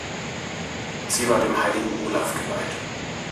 Sie war dem heiligen Olav geweiht.